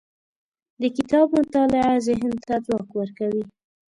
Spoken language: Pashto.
د کتاب مطالعه ذهن ته ځواک ورکوي.